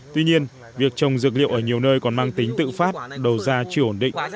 tuy nhiên việc trồng dược liệu ở nhiều nơi còn mang tính tự phát đầu ra chưa ổn định